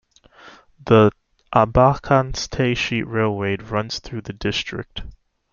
The Abakan-Tayshet railway runs through the district.